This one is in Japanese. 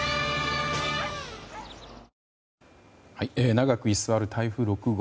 長く居座る台風６号。